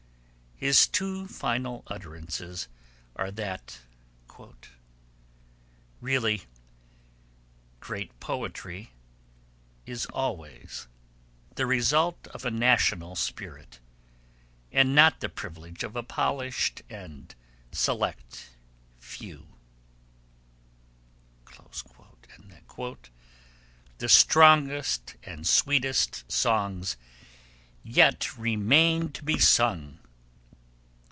His two final utterances are that 'really great poetry is always ... the result of a national spirit, and not the privilege of a polish'd and select few'; and that 'the strongest and sweetest songs yet remain to be sung.'